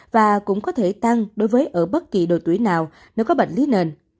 và cũng có thể tăng đối với ở bất kỳ độ tuổi nào nếu có bệnh lý nền